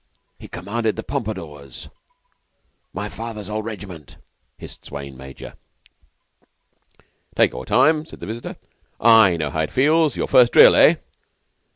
He commanded the Pompadours my father's old regiment," hissed Swayne major. "Take your time," said the visitor. "I know how it feels. Your first drill eh?"